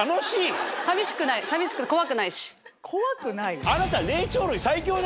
怖くない？